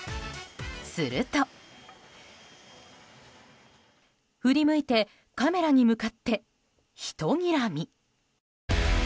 すると振り向いてカメラに向かって、ひとにらみ。